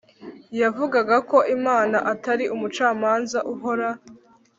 Yavugaga ko Imana atari umucamanza uhora